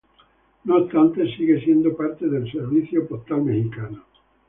No obstante, sigue siendo parte del Servicio Postal Mexicano.